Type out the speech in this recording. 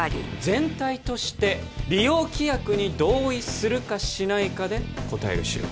全体として利用規約に同意するかしないかで答える仕様